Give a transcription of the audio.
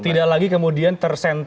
tidak lagi kemudian tersentuh